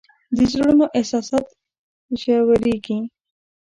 د زړونو احساسات ژورېږي